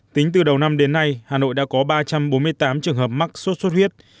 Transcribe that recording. tính từ đầu năm đến nay hà nội đã có ba trăm bốn mươi tám trường hợp mắc sốt xuất huyết